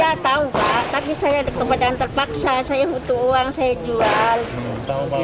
saya tahu pak tapi saya kebetulan terpaksa saya butuh uang saya jual